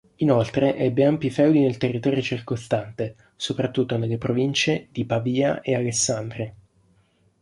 Inoltre ebbe ampi feudi nel territorio circostante, soprattutto nelle province di Pavia e Alessandria.